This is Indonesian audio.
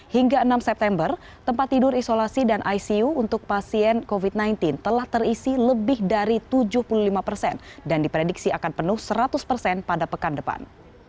hingga enam september tempat tidur isolasi dan icu untuk pasien covid sembilan belas telah terisi lebih dari tujuh puluh lima persen dan diprediksi akan penuh seratus persen pada pekan depan